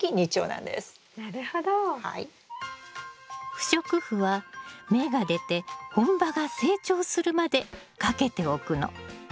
不織布は芽が出て本葉が成長するまでかけておくの。